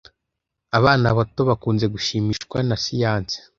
Abana bato bakunze gushimishwa na siyanse.